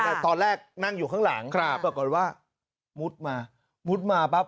แต่ตอนแรกนั่งอยู่ข้างหลังครับปรากฏว่ามุดมามุดมาปั๊บ